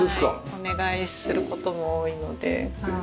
お願いする事も多いので。